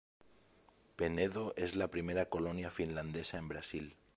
Penedo es la primera colonia finlandesa en Brasil.